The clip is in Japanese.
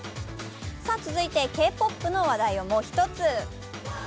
続いて、Ｋ−ＰＯＰの話題をもう一つ。